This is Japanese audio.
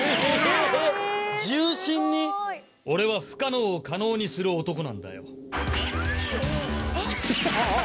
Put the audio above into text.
俺は不可能を可能にする男なんだよ。